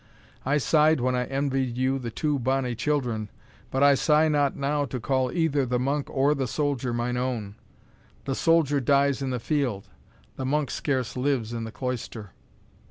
I sighed when I envied you the two bonny children, but I sigh not now to call either the monk or the soldier mine own. The soldier dies in the field, the monk scarce lives in the cloister."